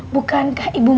bukankah ibu maksimal